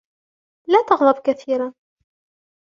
لا تغضب كثيرًا.